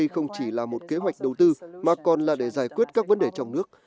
không chỉ là một kế hoạch đầu tư mà còn là để giải quyết các vấn đề trong nước